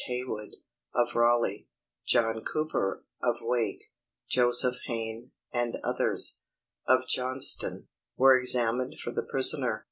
Haywood, of Raleigh; John Cooper, of Wake; Joseph Hane and others, of Johnston, were examined for the prisoner.